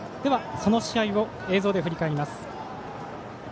その試合を映像で振り返ります。